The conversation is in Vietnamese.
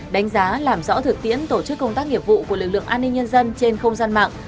đánh giá làm rõ thực tiễn tổ chức công tác nghiệp vụ của lực lượng an ninh nhân dân trên không gian mạng